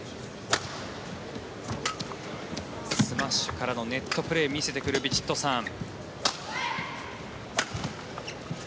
スマッシュからのネットプレー見せてくるヴィチットサーン。